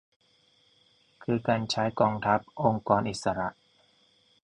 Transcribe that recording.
คือการใช้กองทัพ องค์กรอิสระ